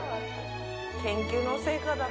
研究の成果だ。